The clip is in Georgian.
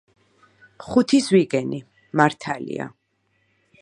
ხუთი ზვიგენი. მართალია.